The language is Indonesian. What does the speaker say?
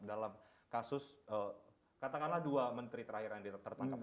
dalam kasus katakanlah dua menteri terakhir yang tertangkap